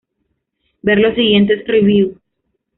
Ver los siguientes reviews.